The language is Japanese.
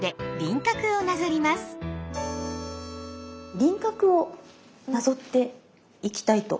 輪郭をなぞっていきたいと思います。